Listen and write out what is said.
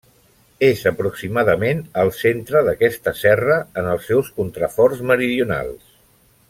És, aproximadament, al centre d'aquesta serra, en els seus contraforts meridionals.